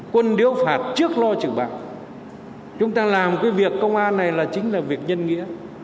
quân điếu phạt trước lo trưởng bạc chúng ta làm cái việc công an này là chính là việc nhân nghĩa